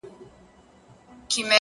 هره ستونزه د فرصت بڼه لري,